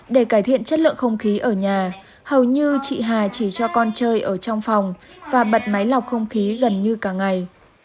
để cải thiện chất lượng không khí ở nhà hầu như chị hà chỉ cho con chơi ở trong phòng và bật máy lọc không khí gần như cả ngày